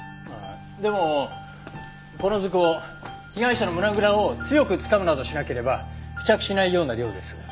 ああでもこの塗香被害者の胸ぐらを強くつかむなどしなければ付着しないような量です。